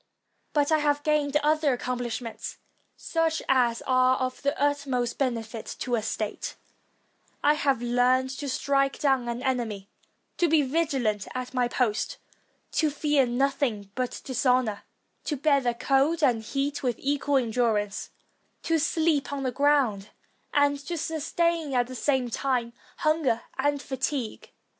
But I have gained other accomplish ments, such as are of the utmost benefit to a state; I have learned to strike down an enemy ; to be vigilant at my post; to fear nothing but dishonor; to bear cold and heat with equal endurance; to sleep on the ground; and to sustain at the same time hunger and fatigue.